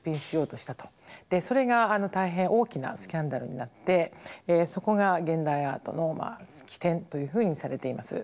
それが大変大きなスキャンダルになってそこが現代アートの起点というふうにされています。